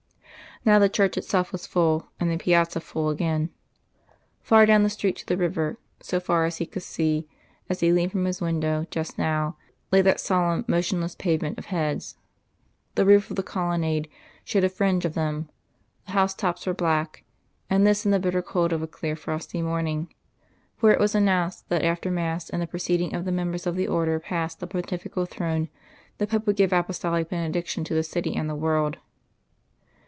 Now the church itself was full, and the piazza full again. Far down the street to the river, so far as he could see as he had leaned from his window just now, lay that solemn motionless pavement of heads. The roof of the colonnade showed a fringe of them, the house tops were black and this in the bitter cold of a clear, frosty morning, for it was announced that after mass and the proceeding of the members of the Order past the Pontifical Throne, the Pope would give Apostolic Benediction to the City and the World.